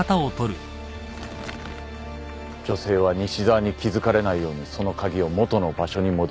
女性は西沢に気付かれないようにその鍵を元の場所に戻した。